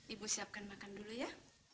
ibu siapkan makan dulu ya